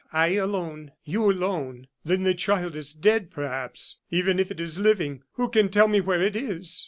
I alone " "You, alone! Then the child is dead, perhaps. Even if it is living, who can tell me where it is?"